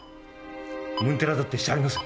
ムンテラだってしてあります